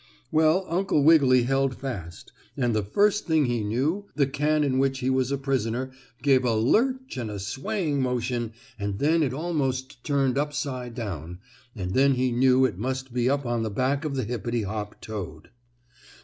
Well, Uncle Wiggily held fast, and the first thing he knew the can in which he was a prisoner gave a lurch and a swaying motion, and then it almost turned upside down, and then he knew it must be up on the back of the hippity hop toad.